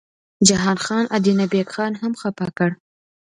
جهان خان ادینه بېګ خان هم خپه کړ.